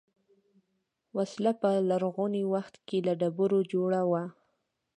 وسله په لرغوني وخت کې له ډبرو جوړه وه